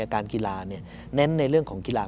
การกีฬาเน้นในเรื่องของกีฬา